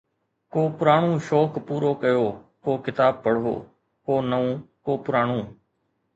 ڪو پراڻو شوق پورو ڪيو، ڪو ڪتاب پڙهو، ڪو نئون، ڪو پراڻو